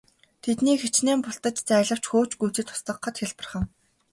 Тэднийг хэчнээн бултаж зайлавч хөөж гүйцээд устгахад хялбархан.